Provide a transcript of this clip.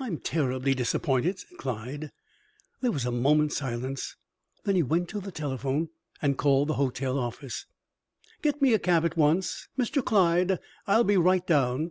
"I'm terribly disappointed," said Clyde. There was a moment's silence; then he went to the telephone and called the hotel office: "Get me a cab at once Mr. Clyde. I'll be right down."